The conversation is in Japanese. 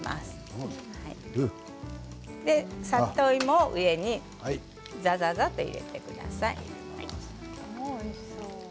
生の里芋を上にざざざっと入れてください。